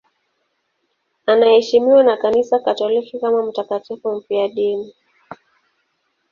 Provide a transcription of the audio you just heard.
Anaheshimiwa na Kanisa Katoliki kama mtakatifu mfiadini.